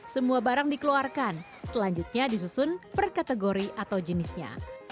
semua barang dikeluarkan selanjutnya disusun per kategori atau jenisnya